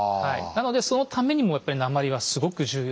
なのでそのためにもやっぱり鉛はすごく重要で。